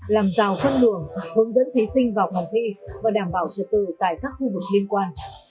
làm rào phân luồng hướng dẫn thí sinh vào phòng thi và đảm bảo trật tự tại các khu vực liên quan